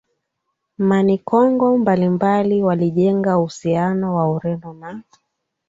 Manikongo mbalimbali walijenga uhusiano na Ureno na